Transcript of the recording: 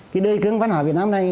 cái đề cương văn hóa việt nam này